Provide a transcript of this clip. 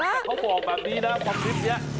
แต่เขาบอกแบบนี้นะว่าคลิปนี้